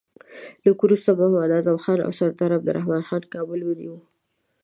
لږ وروسته محمد اعظم خان او سردار عبدالرحمن خان کابل ونیوی.